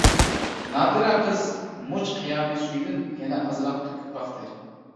نادىرە قىزىل مۇچ قىيامى سۈيىدىن يەنە ئازراق تۆكۈپ باقتى.